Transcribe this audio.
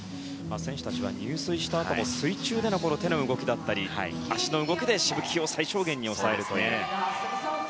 選手たちは入水したあとも水中での手の動きや足の動きでしぶきを最小限に抑えると。